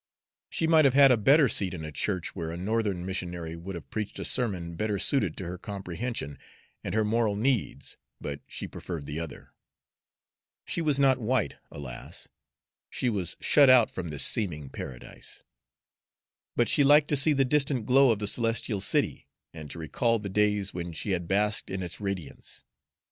She might have had a better seat in a church where a Northern missionary would have preached a sermon better suited to her comprehension and her moral needs, but she preferred the other. She was not white, alas! she was shut out from this seeming paradise; but she liked to see the distant glow of the celestial city, and to recall the days when she had basked in its radiance.